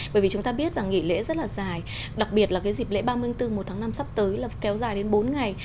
bởi vì chúng ta biết là nghỉ lễ rất là dài đặc biệt là cái dịp lễ ba mươi bốn một tháng năm sắp tới là kéo dài đến bốn ngày